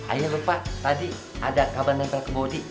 ayah lupa tadi ada kabel nempel ke bodi